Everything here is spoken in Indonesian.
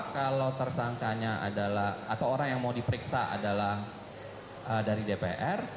kalau tersangkanya adalah atau orang yang mau diperiksa adalah dari dpr